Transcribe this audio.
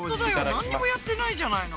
何にもやってないじゃないの。